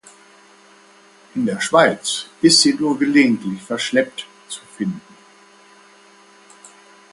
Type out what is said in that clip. In der Schweiz ist sie nur gelegentlich verschleppt zu finden.